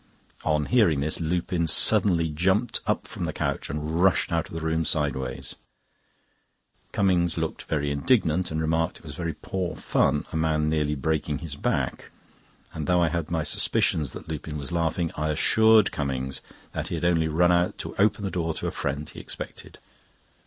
On hearing this, Lupin suddenly jumped up from the couch and rushed out of the room sideways. Cummings looked very indignant, and remarked it was very poor fun a man nearly breaking his back; and though I had my suspicions that Lupin was laughing, I assured Cummings that he had only run out to open the door to a friend he expected.